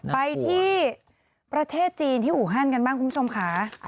ไปที่ประเทศจีนที่อูฮันกันบ้างคุณผู้ชมค่ะ